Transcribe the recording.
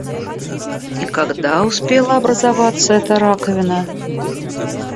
И когда успела образоваться эта раковина?